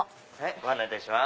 ご案内いたします。